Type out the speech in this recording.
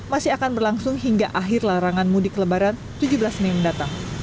masih akan berlangsung hingga akhir larangan mudik lebaran tujuh belas mei mendatang